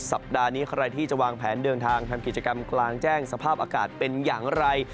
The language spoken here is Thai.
สัปดาห์นี้ใครที่จะวางแผนเดินทางทำกิจกรรมกลางแจ้งสภาพอากาศเป็นอย่างไร